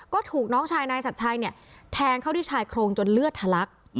ก็ถูกน้องชายนายชัดชัยเนี่ยแทงเข้าที่ชายโครงจนเลือดทะลัก